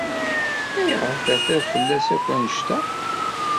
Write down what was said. Ayɣer ay terfiḍ fell-as akk anect-a?